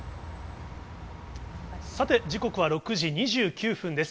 さて、時刻は６時２９分です。